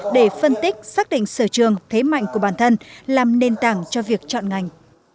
để phân tích xác định sở trường thế mạnh của bản thân làm nền tảng cho việc chọn ngành